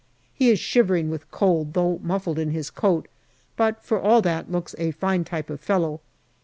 He is shivering with cold, though muffled in his coat, but for all that looks a fine type of fellow.